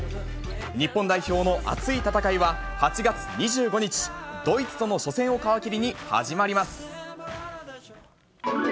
日本代表の熱い戦いは、８月２５日、ドイツとの初戦を皮切りに始まります。